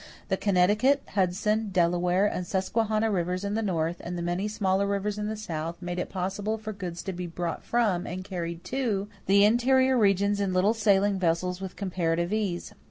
The Connecticut, Hudson, Delaware, and Susquehanna rivers in the North and the many smaller rivers in the South made it possible for goods to be brought from, and carried to, the interior regions in little sailing vessels with comparative ease.